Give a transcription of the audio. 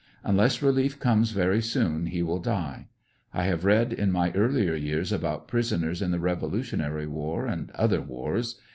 Unless relief comes very soon he will die. I have read in my earlier years about prisoners in the revolu tionary war, and other wars.